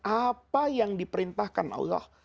apa yang diperintahkan allah